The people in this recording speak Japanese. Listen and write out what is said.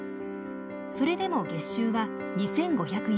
それでも月収は２，５００ユーロ。